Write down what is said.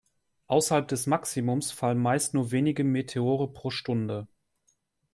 Außerhalb des Maximums fallen meist nur wenige Meteore pro Stunde.